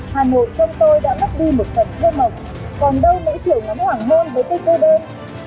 hà nội trong tôi đã mất đi một phần cây mộng còn đâu mỗi chiều ngắm hoảng môn với cây cây đơn